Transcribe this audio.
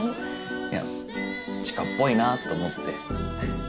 いや知花っぽいなと思って。